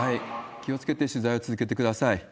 気をつけて取材を続けてください。